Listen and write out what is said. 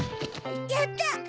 やった！